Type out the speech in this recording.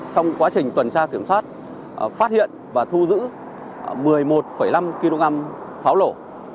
trong quá trình tuần tra kiểm soát phát hiện và thu giữ một mươi một năm kg pháo lổ